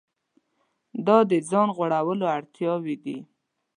دا د ځان غوړولو اړتیاوې دي.